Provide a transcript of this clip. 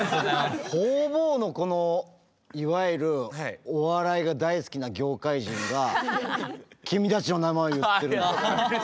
方々のこのいわゆるお笑いが大好きな業界人が君たちの名前を言ってるんだよ。